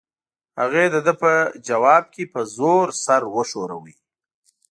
هغې د ده په ځواب کې په زور سر وښوراوه.